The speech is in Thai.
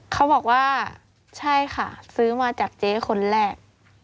เขาบอกว่าใช่ค่ะซื้อมาจากเจ๊คนแรก